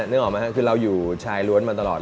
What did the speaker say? นึกออกไหมครับคือเราอยู่ชายล้วนมาตลอด